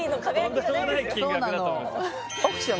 これはとんでもない金額だと思いますようわ